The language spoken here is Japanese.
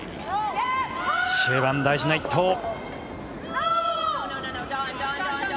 終盤大事な１投。